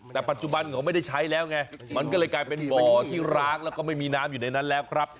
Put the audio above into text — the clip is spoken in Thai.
แต่ปัจจุบันเขาไม่ได้ใช้แล้วไงมันก็เลยกลายเป็นบ่อที่ร้างแล้วก็ไม่มีน้ำอยู่ในนั้นแล้วครับ